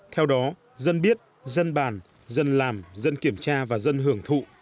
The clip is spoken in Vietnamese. theo đó dân biết dân bàn dân làm dân kiểm tra và dân hưởng thụ